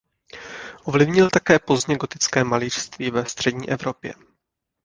Ovlivnil také pozdně gotické malířství ve střední Evropě.